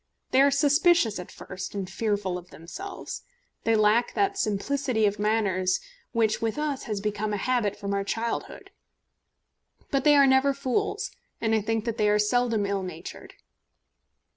They are suspicious at first, and fearful of themselves. They lack that simplicity of manners which with us has become a habit from our childhood. But they are never fools, and I think that they are seldom ill natured.